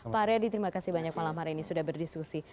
pak ready terima kasih banyak malam hari ini sudah berdiskusi